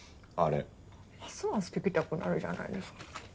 ますます聞きたくなるじゃないですか。